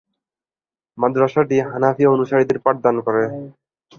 মাদ্রাসাটি হানাফি অনুসারীদের পাঠদান করে।